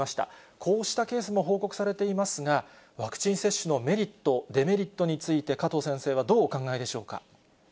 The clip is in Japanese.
こうしたケースも報告されていますが、ワクチン接種のメリット、デメリットについて、加藤先生はどうお考えでしょうか。